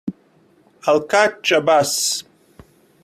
I'll catch a bus.